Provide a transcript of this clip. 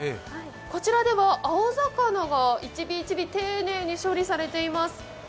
こちらでは青魚が１尾１尾、丁寧に処理されています。